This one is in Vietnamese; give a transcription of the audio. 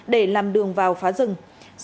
để làm đường vào phòng hộ huyện sông hinh